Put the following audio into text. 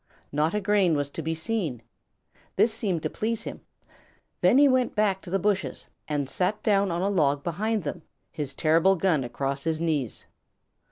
Not a grain was to be seen. This seemed to please him. Then he went back to the bushes and sat down on a log behind them, his terrible gun across his knees.